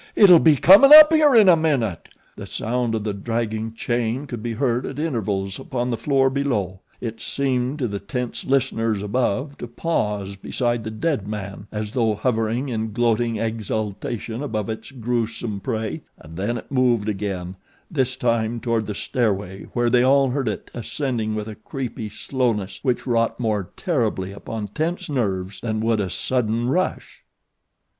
It'll be comin' up here in a minute." The sound of the dragging chain could be heard at intervals upon the floor below. It seemed to the tense listeners above to pause beside the dead man as though hovering in gloating exultation above its gruesome prey and then it moved again, this time toward the stairway where they all heard it ascending with a creepy slowness which wrought more terribly upon tense nerves than would a sudden rush.